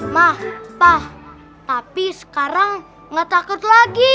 mah tah tapi sekarang nggak takut lagi